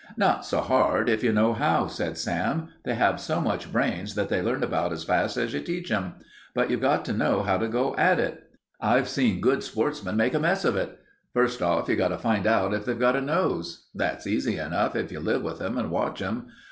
"Not so hard, if you know how," said Sam. "They have so much brains that they learn about as fast as you teach 'em. But you've got to know how to go at it. I've seen good sportsmen make a mess of it. First off, you've got to find out if they've got a nose. That's easy enough if you live with 'em and watch 'em.